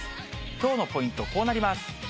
きょうのポイント、こうなります。